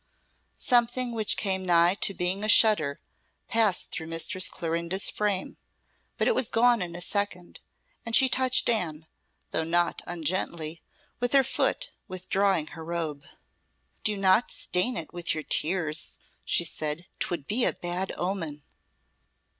Something which came nigh to being a shudder passed through Mistress Clorinda's frame; but it was gone in a second, and she touched Anne though not ungently with her foot, withdrawing her robe. "Do not stain it with your tears," she said, "'twould be a bad omen."